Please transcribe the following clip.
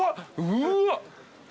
うわっ！